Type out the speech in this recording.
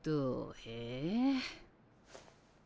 へえ。